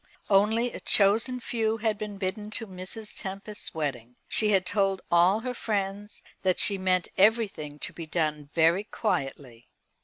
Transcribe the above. Only a chosen few had been bidden to Mrs. Tempest's wedding. She had told all her friends that she meant everything to be done very quietly.